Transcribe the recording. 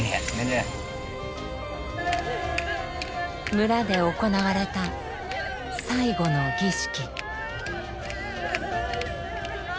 村で行われた最後の儀式。